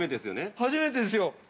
◆初めてですよ。